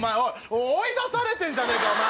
追い出されてんじゃねえか。